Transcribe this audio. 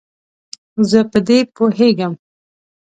زه په دې پوهیږم.